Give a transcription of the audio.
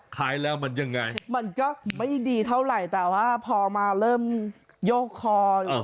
ขายแล้วมันยังไงมันก็ไม่ดีเท่าไหร่แต่ว่าพอมาเริ่มโยกคอ